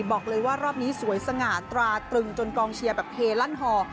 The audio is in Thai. บอกเลยว่ารอบนี้สวยสง่าตราตรึงจนกองเชียร์แบบเฮลั่นฮอ